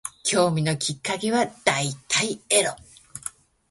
興味のきっかけは大体エロ